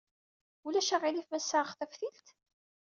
Ulac aɣilif ma ssaɣeɣ taftilt?